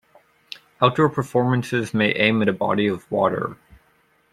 Outdoor performances may aim at a body of water.